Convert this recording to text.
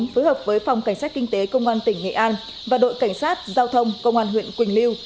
phối hợp với phòng cảnh sát kinh tế công an tỉnh nghệ an và đội cảnh sát giao thông công an huyện quỳnh lưu